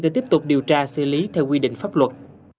để tiếp tục điều tra xử lý theo quy định pháp luật